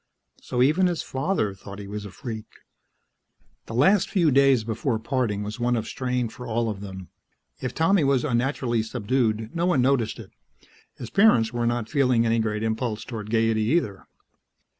So even his father thought he was a freak. The last few days before parting was one of strain for all of them. If Tommy was unnaturally subdued, no one noticed it; his parents were not feeling any great impulse toward gaiety either.